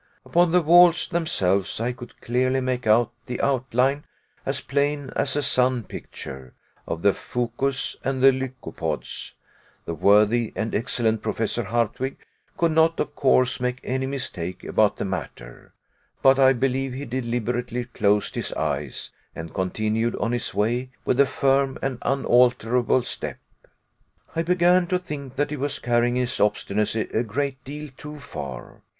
Upon the walls themselves I could clearly make out the outline, as plain as a sun picture, of the fucus and the lycopods. The worthy and excellent Professor Hardwigg could not of course make any mistake about the matter; but I believe he deliberately closed his eyes, and continued on his way with a firm and unalterable step. I began to think that he was carrying his obstinacy a great deal too far.